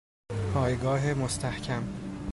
پایگاه مستحکم